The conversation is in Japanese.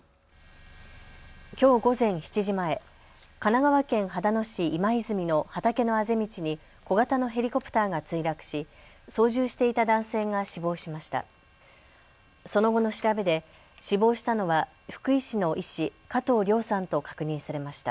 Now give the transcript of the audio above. きょう午前７時前、神奈川県秦野市今泉の畑のあぜ道に小型のヘリコプターが墜落し、操縦していた男性が死亡しました。